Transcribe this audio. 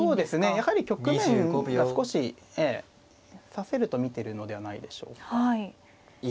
やはり局面が少し指せると見てるのではないでしょうか。